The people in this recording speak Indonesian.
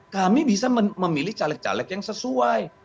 kami bisa memilih caleg caleg yang sesuai